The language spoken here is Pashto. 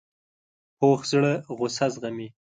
پوخ زړه غصه زغمي